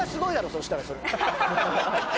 そしたらそれは。